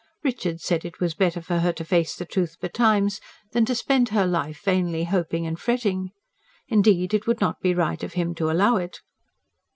Richard said it was better for her to face the truth betimes than to spend her life vainly hoping and fretting; indeed, it would not be right of him to allow it.